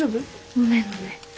ごめんごめん。